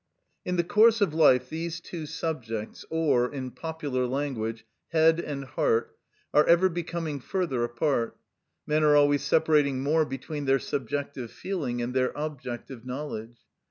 In the course of life these two subjects, or, in popular language, head and heart, are ever becoming further apart; men are always separating more between their subjective feeling and their objective knowledge.